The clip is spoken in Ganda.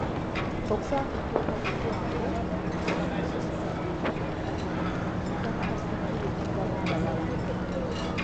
Okusaba kuno kwetabiddwako; Nnaalinnya Elizabeth Nakabiri, Omutaka Kasujju Lubinga n'abalala.